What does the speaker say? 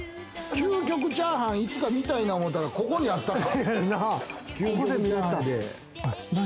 究極チャーハン、いつか見たいと思ってたら、ここにあったか。